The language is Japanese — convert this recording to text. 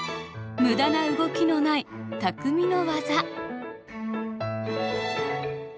無駄な動きのないたくみの技。